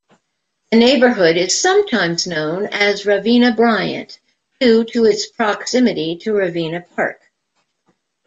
The neighborhood is sometimes known as Ravenna-Bryant, due to its proximity to Ravenna Park.